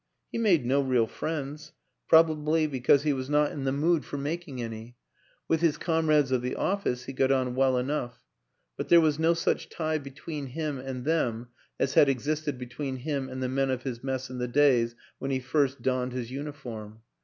He made no real friends probably because he was not in the 252 WILLIAM AN ENGLISHMAN mood for making any; with his comrades of the office he got on well enough, but there was no such tie between him and them as had existed between him and the men of his mess in the days when he first donned his uniform.